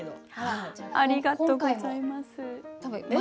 ありがとうございます。